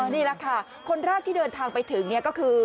นี่แหละค่ะคนแรกที่เดินทางไปถึงก็คือ